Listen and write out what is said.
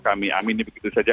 kami amini begitu saja